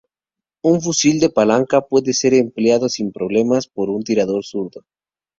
Un fusil de palanca puede ser empleado sin problemas por un tirador zurdo.